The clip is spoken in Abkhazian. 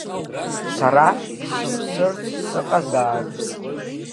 Сара сымԥсырц сыҟазаарын!